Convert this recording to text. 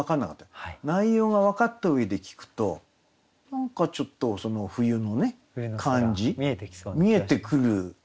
内容が分かった上で聞くと何かちょっと冬の感じ見えてくる。